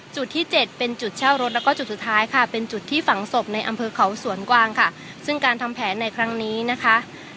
จุดที่เจ็ดเป็นจุดเช่ารถแล้วก็จุดสุดท้ายค่ะเป็นจุดที่ฝังศพในอำเภอเขาสวนกวางค่ะซึ่งการทำแผนในครั้งนี้นะคะ